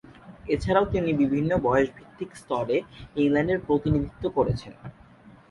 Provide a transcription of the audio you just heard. এছাড়াও তিনি বিভিন্ন বয়সভিত্তিক স্তরে ইংল্যান্ডের প্রতিনিধিত্ব করেছেন।